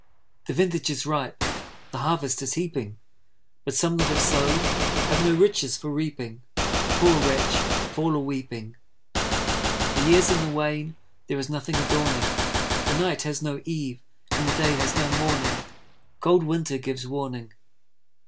The vintage is ripe, The harvest is heaping; But some that have sow'd Have no riches for reaping; Poor wretch, fall a weeping! The year's in the wane, There is nothing adorning, The night has no eve, And the day has no morning; Cold winter gives warning.